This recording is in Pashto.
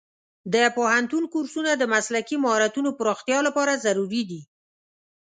د پوهنتون کورسونه د مسلکي مهارتونو پراختیا لپاره ضروري دي.